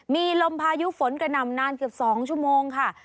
มีลมพายุฝนกระหน่ำนานเกือบ๒ชั่วโมงค่ะ